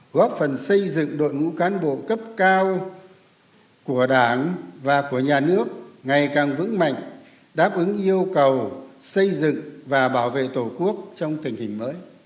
góp phần xây dựng đội ngũ cán bộ cấp cao của đảng và của nhà nước ngày càng vững mạnh đáp ứng yêu cầu xây dựng và bảo vệ tổ quốc trong tình hình mới